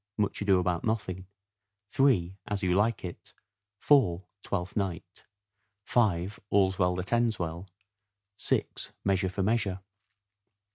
Much Ado about Nothing. 3. As you like it. 4. Twelfth Night. 5. All's Well that Ends Well. 6. Measure for Measure.